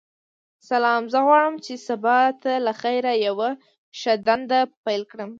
سلام ،زه غواړم چی سبا ته لخیر یوه ښه دنده پیل کړم.